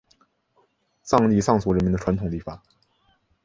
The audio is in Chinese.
藏历藏族人民的传统历法。